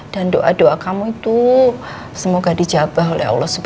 dan doa doa kamu itu semoga dijabah oleh allah swt